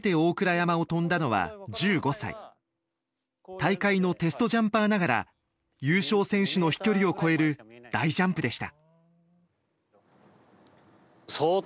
大会のテストジャンパーながら優勝選手の飛距離を超える大ジャンプでした。